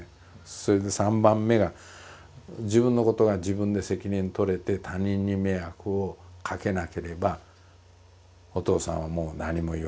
それで３番目が自分のことが自分で責任取れて他人に迷惑をかけなければお父さんはもう何も言わないと。